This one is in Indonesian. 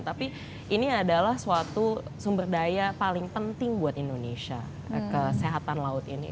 tapi ini adalah suatu sumber daya paling penting buat indonesia kesehatan laut ini